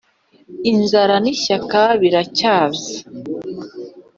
inzara n'ishyaka biracyaza!